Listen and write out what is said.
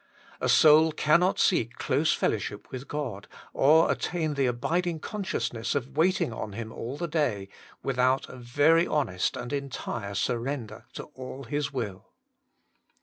A aoul earmot seek close fellowship toith God, or attain the aMding coTisciousness of waiting on Him aU WAITING ON GOD! 43 the day, without a very honest and entire sur render to all His will.